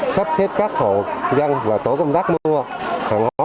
sắp xếp các hộ dân và tổ công tác mua hàng hóa